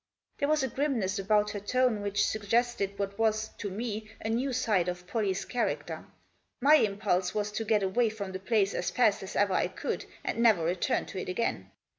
There was a grimness about her tone which suggested what was, to me, a new side of Pollie's character. My impulse was to get away frotn the place as fast as ever I could and never return to it Digitized by ONE WAY IN. 99 again.